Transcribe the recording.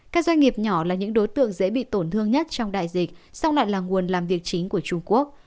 các doanh nghiệp nhỏ là những đối tượng dễ bị tổn thương nhất trong đại dịch song nạn là nguồn làm việc chính của trung quốc